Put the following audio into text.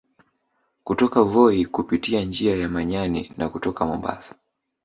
Kutoka Voi kupitia njia ya Manyani na kutoka Mombasa